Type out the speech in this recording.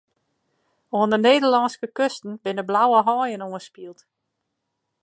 Oan 'e Nederlânske kusten binne blauwe haaien oanspield.